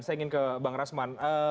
saya ingin ke bang rasman